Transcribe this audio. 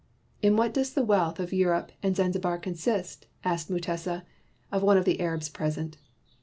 "In what does the wealth of Europe and Zanzibar consist?" asked Mutesa of one of the Arabs present.